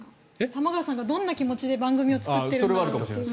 玉川さんがどんな気持ちで番組を作っているのか。